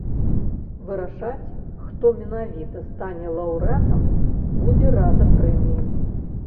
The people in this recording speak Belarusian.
Вырашаць, хто менавіта стане лаўрэатам, будзе рада прэміі.